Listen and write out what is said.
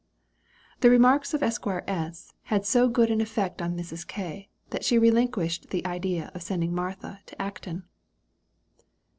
The remarks of Esq. S. had so good an effect on Mrs. K., that she relinquished the idea of sending Martha to Acton.